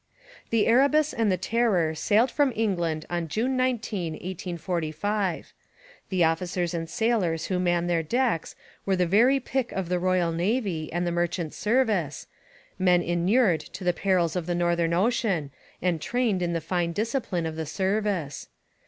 The Erebus and the Terror sailed from England on June 19, 1845. The officers and sailors who manned their decks were the very pick of the Royal Navy and the merchant service, men inured to the perils of the northern ocean, and trained in the fine discipline of the service.